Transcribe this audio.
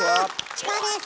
チコです